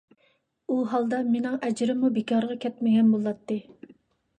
ئۇ ھالدا مېنىڭ ئەجرىممۇ بىكارغا كەتمىگەن بولاتتى.